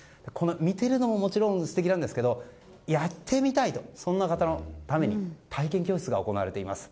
見ているのももちろん素敵なんですがやってみたいとそんな方のために体験教室が行われています。